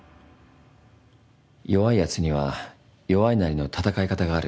弱いやつには弱いなりの闘い方がある。